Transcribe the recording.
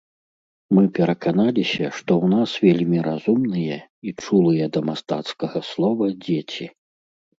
Мы пераканаліся, што ў нас вельмі разумныя і чулыя да мастацкага слова дзеці.